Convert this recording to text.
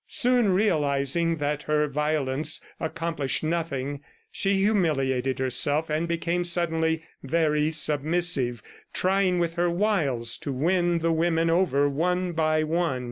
Soon realizing that all her violence accomplished nothing, she humiliated herself and became suddenly very submissive, trying with her wiles, to win the women over one by one.